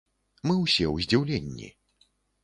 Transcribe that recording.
Мы ўсе ў здзіўленні.